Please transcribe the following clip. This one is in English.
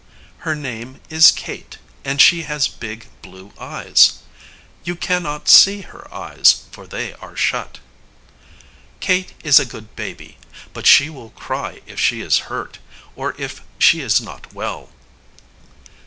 Her name is Kate, and she has big, blue eyes. You can not see her eyes, for they are shut. Kate is a good baby; but she will cry if she is hurt, or if she is not well.